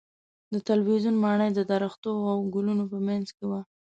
د تلویزیون ماڼۍ د درختو او ګلونو په منځ کې وه.